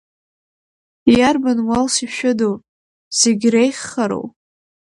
Иарбан уалс ишәыду, зегь реиӷьхароу?